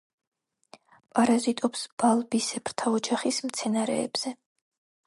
პარაზიტობს ბალბისებრთა ოჯახის მცენარეებზე.